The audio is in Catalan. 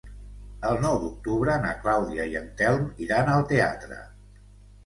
El nou d'octubre na Clàudia i en Telm iran al teatre.